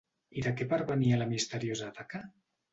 I de què pervenia la misteriosa taca?